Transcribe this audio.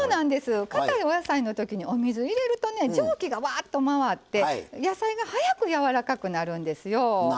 かたいお野菜のときにお水を入れると蒸気がワーッと回って野菜が早くやわらかくなるんですよ。